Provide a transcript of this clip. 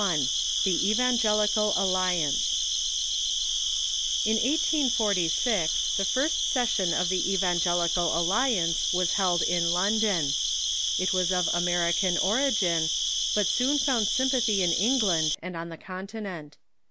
is the General Secretary.] In 184G the first session of the Evangelical Alliance Avas held in London. It was of American origin, but soon found sympathy in England and on the Continent.